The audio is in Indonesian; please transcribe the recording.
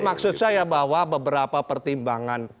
maksud saya bahwa beberapa pertimbangan